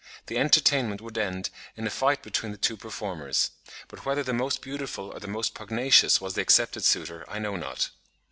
The entertainment would end in a fight between the two performers; but whether the most beautiful or the most pugnacious was the accepted suitor, I know not."